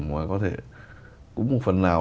mà có thể cũng một phần nào